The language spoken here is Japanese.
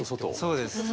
そうです。